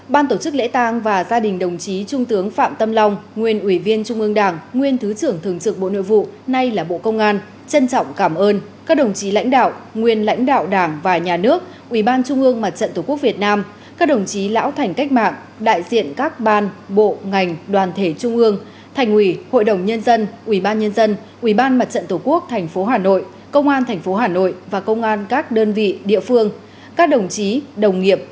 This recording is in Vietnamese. ban tổ chức lễ tang và gia đình đồng chí trung tướng phạm tâm long nguyên ủy viên trung ương đảng nguyên thứ trưởng thường trực bộ nội vụ nay là bộ công an trân trọng cảm ơn các đồng chí lãnh đạo nguyên lãnh đạo đảng và nhà nước ủy ban trung ương mặt trận tổ quốc việt nam các đồng chí lão thành cách mạng đại diện các ban bộ ngành đoàn thể trung ương thành ủy hội đồng nhân dân ủy ban nhân dân ủy ban mặt trận tổ quốc tp hà nội công an tp hà nội và công an các đơn vị địa phương các đồng chí đồng